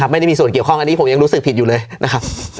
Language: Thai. ไม่ได้มีส่วนเกี่ยวข้องอันนี้ผมยังรู้สึกผิดอยู่เลยนะครับ